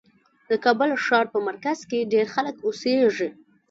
د کابل ښار په مرکز کې ډېر خلک اوسېږي.